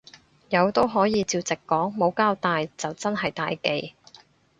有都可以照直講，冇交帶就真係大忌